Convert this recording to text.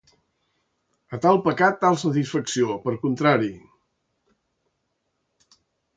A tal pecat, tal satisfacció, per contrari.